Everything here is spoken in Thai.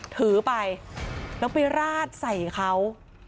ถือไปแล้วไปราดใส่เขา